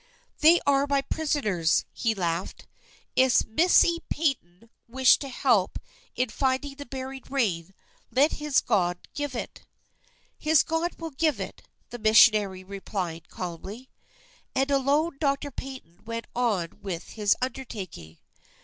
"They are my prisoners," he laughed. "If Missi Paton wish help in finding the buried rain, let his God give it." "His God will give it," the missionary replied, calmly. And alone Doctor Paton went on with his undertaking.